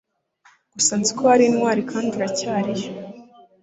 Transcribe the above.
gusa nziko wari intwari kandi uracyari yo